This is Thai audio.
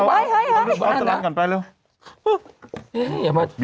พอสรรคันไปเร็ว